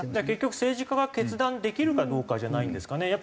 結局政治家が決断できるかどうかじゃないんですかね。